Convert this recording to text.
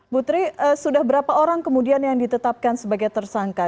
butri sudah berapa orang kemudian yang ditetapkan sebagai tersangka